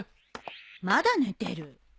まだ寝てる。